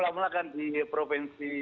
mulakan di provinsi